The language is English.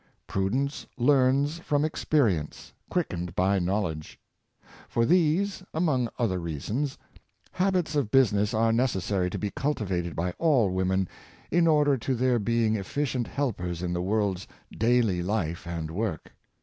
Prudence learns from experience, quickened by knowledge. For these, among other reasons, habits of business are necessary to be cultivated by all women, in order to their being efficient helpers in the world's daily life and work.